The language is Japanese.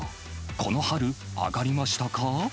この春、上がりましたか？